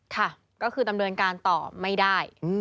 ค่ะก็คือดำเนินการต่อไม่ได้